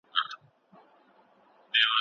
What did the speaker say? قومي مشران د نورمالو ډیپلوماټیکو اړیکو ګټي نه لري.